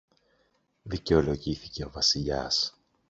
δικαιολογήθηκε ο Βασιλιάς